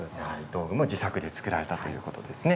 道具も自作で作ったということですね。